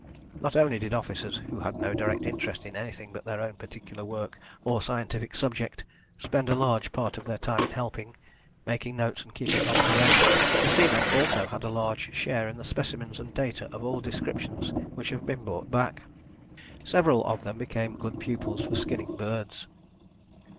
Not only did officers who had no direct interest in anything but their own particular work or scientific subject spend a large part of their time in helping, making notes and keeping observations, but the seamen also had a large share in the specimens and data of all descriptions which have been brought back. Several of them became good pupils for skinning birds.